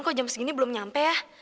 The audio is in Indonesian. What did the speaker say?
kok jam segini belum nyampe ya